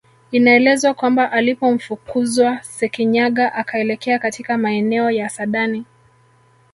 Inaelezwa kwamba alipomfukuzwa Sekinyaga akaelekea katika maeneo ya Sadani